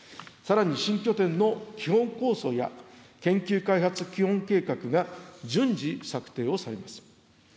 さらに新拠点の基本構想や、研究開発基本計画が順次策定をされます。